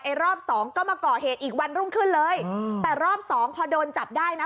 รอบสองก็มาก่อเหตุอีกวันรุ่งขึ้นเลยอืมแต่รอบสองพอโดนจับได้นะ